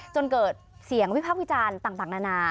จนเกิดเสียงวิพากษ์วิจารณ์ต่างนานา